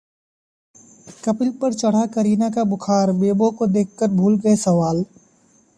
कपिल पर चढ़ा करीना का बुखार, बेबो को देखकर भूल गए सवाल